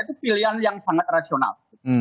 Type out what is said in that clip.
itu pilihan yang sangat rasional